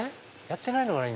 やってないのかな？